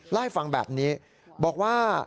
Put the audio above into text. ล่ายฟังแบบนี้บอกว่า